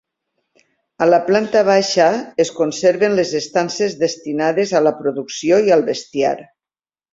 A la planta baixa es conserven les estances destinades a la producció i al bestiar.